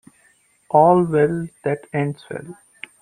All's well that ends well.